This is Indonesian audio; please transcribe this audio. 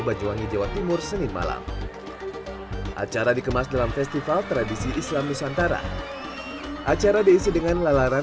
khususnya ajaran wali songo yang mengajarkan islam toleransi serta mencintai tradisi nusantara